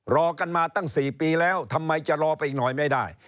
รอกันมาตั้ง๔ปีแล้วทำไมจะรอไปอีกหน่อยไม่ได้